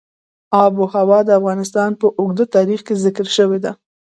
آب وهوا د افغانستان په اوږده تاریخ کې ذکر شوې ده.